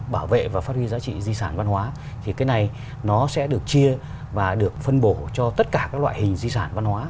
bảo vệ và phát huy giá trị di sản văn hóa thì cái này nó sẽ được chia và được phân bổ cho tất cả các loại hình di sản văn hóa